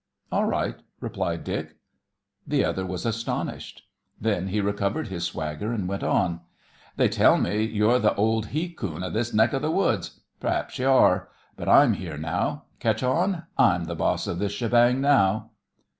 "All right," replied Dick. The other was astonished. Then he recovered his swagger and went on: "They tell me you're the old he coon of this neck of th' woods. P'r'aps you were. But I'm here now. Ketch on? I'm th' boss of this shebang now."